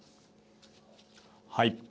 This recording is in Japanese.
はい。